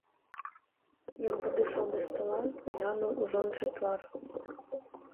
Ён падышоў да стала, глянуў у жончын твар.